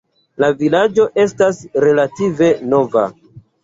La vilaĝo estas relative nova.